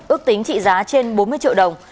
ước tính trị giá trên bốn mươi triệu đồng